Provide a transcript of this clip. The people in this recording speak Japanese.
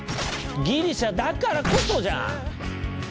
ギリシャだからこそじゃん！